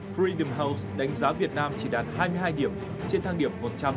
freedom house đánh giá việt nam chỉ đạt hai mươi hai điểm trên thang điểm một trăm linh